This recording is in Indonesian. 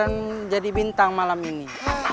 aku juga mau berdek cloudy